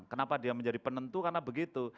kenapa dia menjadi penentu karena begitu